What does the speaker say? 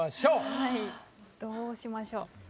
はいどうしましょう。